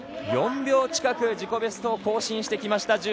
４秒近く自己ベストを更新してきました